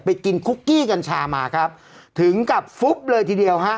กินคุกกี้กัญชามาครับถึงกับฟุ๊บเลยทีเดียวฮะ